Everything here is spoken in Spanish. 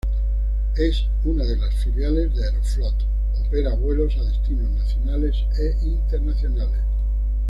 Es una de las filiales de Aeroflot, opera vuelos a destinos nacionales e internacionales.